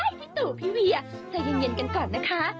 ค้ายพี่ตูพี่เวียใส่เย็นกันก่อนนะคะ